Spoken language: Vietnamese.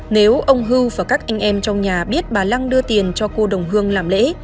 nếu ông hưu và các anh em trong nhà biết bà lăng đưa tiền cho cô đồng hương làm lễ